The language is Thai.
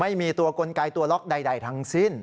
ไม่มีตัวกลไกตัวล็อกใดทั้งสิ้น